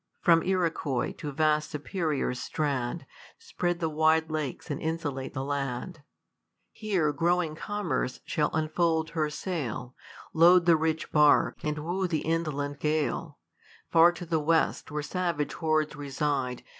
From Iroquois to vast Superiour's strand, Spread the wide lakes and insulate the land. He^e THE COLUMBIAN ORATOR. 239 gaie. side,) ■ I Here growing commerce shall unfold her sail, Load the rich bark, and woo the inland gale. Far to the west, where savage hordes reside.